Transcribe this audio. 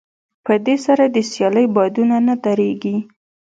په دې سره د سيالۍ بادونه نه درېږي.